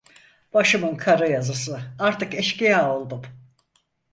Başımın kara yazısı artık eşkıya oldum.